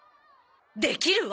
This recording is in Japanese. できるわ！